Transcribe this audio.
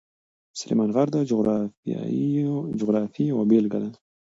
سلیمان غر د جغرافیې یوه بېلګه ده.